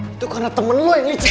itu karena temen lo yang licin